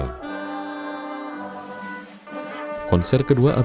konser kedua abdi dalam musikan keraton ngayok yakarta hadiningrat